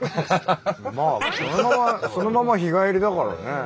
まあそのまま日帰りだからね。